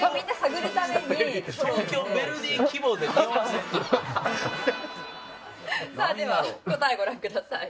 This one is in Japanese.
さあでは答えご覧ください。